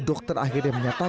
dokter akhirnya menyebutnya